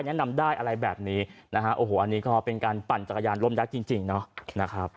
แนะนำได้อะไรแบบนี้นะฮะโอ้โหอันนี้ก็เป็นการปั่นจักรยานล้มยักษ์จริงเนาะนะครับ